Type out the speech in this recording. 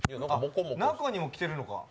中にも着てるのか？